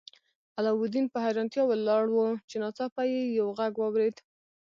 علاوالدین په حیرانتیا ولاړ و چې ناڅاپه یې یو غږ واورید.